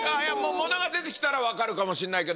物が出てきたら分かるかもしれないけど。